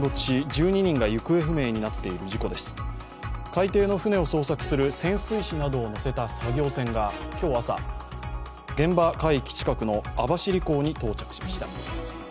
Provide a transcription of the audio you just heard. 海底の船を捜索する潜水士などを乗せた作業船が今日朝、現場海域近くの網走港に到着しました。